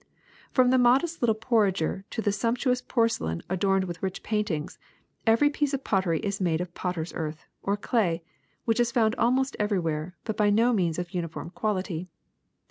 ^^From the modest little porringer to the sumptu ous porcelains adorned with rich paintings, every piece of pottery is made of potters' earth, or clay, which is found almost everywhere, but by no means of uniform quality.